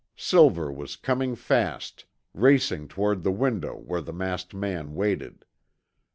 Silver was coming fast, racing toward the window where the masked man waited.